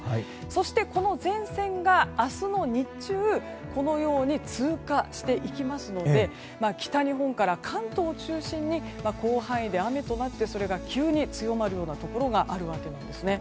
そして、この前線が明日の日中このように通過していきますので北日本から関東を中心に広範囲で雨となってそれが急に強まるようなところがあるわけですね。